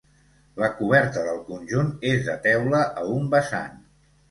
La coberta del conjunt és de teula a un vessant.